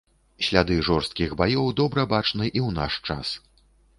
Сляды жорсткіх баёў добра бачны і ў наш час.